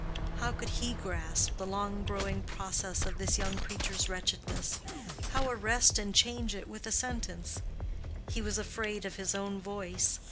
How could he grasp the long growing process of this young creature's wretchedness?—how arrest and change it with a sentence? He was afraid of his own voice.